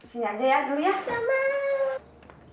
siap aja ya dulu ya